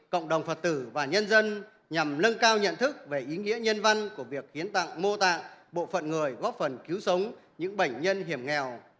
cộng đồng phật tử và nhân dân nhằm nâng cao nhận thức về ý nghĩa nhân văn của việc hiến tặng mô tạng bộ phận người góp phần cứu sống những bệnh nhân hiểm nghèo